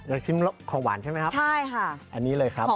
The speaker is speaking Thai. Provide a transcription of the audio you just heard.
อยากชิมของหวานใช่ไหมครับอันนี้เลยครับค่ะ